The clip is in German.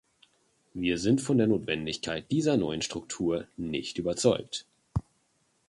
Wir sind von der Notwendigkeit dieser neuen Struktur nicht überzeugt.